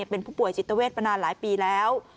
เป็นผู้ป่วยจิตเวทมานานหลายปีแล้ว